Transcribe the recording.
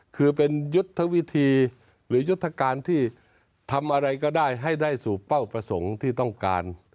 คือเป็นยุทธวิธีหรือยุทธการที่ทำอะไรก็ได้ให้ได้สู่เป้าประสงค์ที่ต้องการ